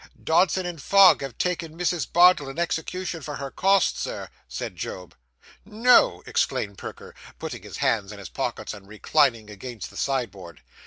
'Dodson and Fogg have taken Mrs. Bardell in execution for her costs, Sir,' said Job. 'No!' exclaimed Perker, putting his hands in his pockets, and reclining against the sideboard.